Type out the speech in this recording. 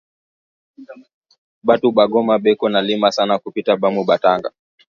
Batu ba goma beko na lima sana kupita bamu katanga